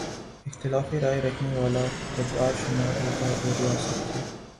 اختلاف رائے رکھنے والا غدار شمار ہوتا اور ریاست کے